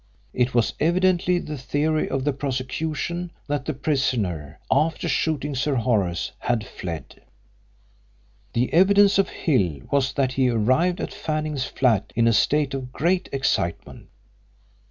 It was evidently the theory of the prosecution that the prisoner, after shooting Sir Horace, had fled. The evidence of Hill was that he arrived at Fanning's flat in a state of great excitement.